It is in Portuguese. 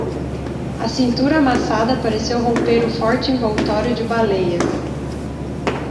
A cintura amassada pareceu romper o forte envoltório de baleias.